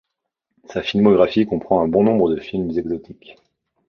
Sa filmographie comprend un bon nombre de films exotiques.